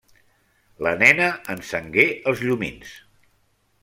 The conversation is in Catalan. La nena encengué els llumins.